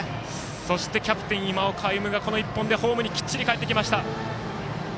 そして、キャプテン今岡歩夢がこの１本でホームにかえってきました。